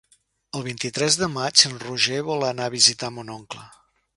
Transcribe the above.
El vint-i-tres de maig en Roger vol anar a visitar mon oncle.